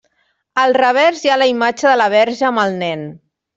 Al revers hi ha la imatge de la Verge amb el Nen.